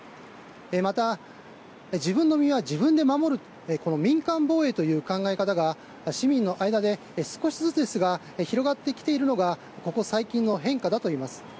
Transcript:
また、自分の身は自分で守る民間防衛の考え方が市民の間で少しずつですが広がってきているのがここ最近の変化だといいます。